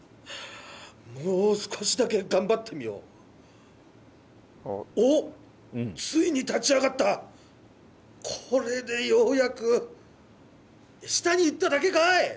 もう少しだけ頑張ってみようおっついに立ち上がったこれでようやく下に行っただけかい！